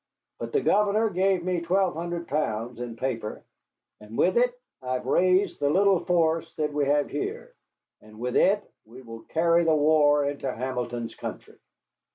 But the governor gave me twelve hundred pounds in paper, and with it I have raised the little force that we have here. And with it we will carry the war into Hamilton's country.